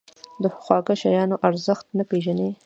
د خواږه شیانو ارزښت نه پېژني.